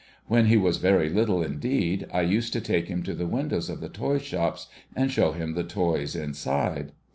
When he was very Httle indeed, I used to take him to the windows of the toy shops, and show him the toys inside.